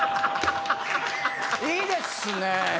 いいですね！